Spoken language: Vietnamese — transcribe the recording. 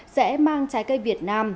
sẽ mang trái cây việt nam